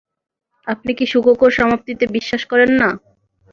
আপনি কি সুখকর সমাপ্তিতে বিশ্বাস করেন না?